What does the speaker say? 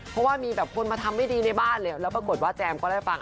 เพราะว่ามีแบบคนมาทำไม่ดีในบ้านเลยแล้วปรากฏว่าแจมก็ได้ฟัง